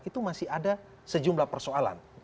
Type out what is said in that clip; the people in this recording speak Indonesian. itu masih ada sejumlah persoalan